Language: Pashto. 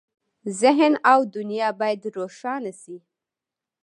ذهن او دنیا باید روښانه شي.